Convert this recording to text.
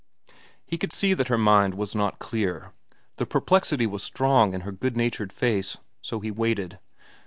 He could see that her mind was not clear. The perplexity was strong in her good natured face. So he waited.